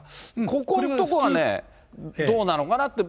ここんとこがね、どうなのかなって。